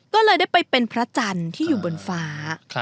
ก็เลยได้ไปเป็นพระจันทร์ที่อยู่บนฟ้า